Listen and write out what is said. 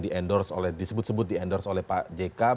di endorse oleh disebut sebut di endorse oleh pak jk